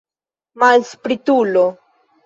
Malspritulo!